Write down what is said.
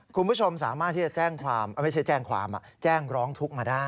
คุณผู้ชมสามารถที่จะแจ้งความไม่ใช่แจ้งความแจ้งร้องทุกข์มาได้